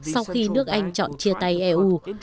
sau khi nước anh chọn chia tay eu